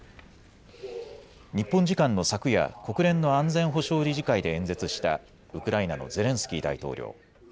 日本時間の昨夜、国連の安全保障理事会で演説したウクライナのゼレンスキー大統領。